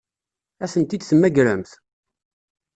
Ad tent-id-temmagremt?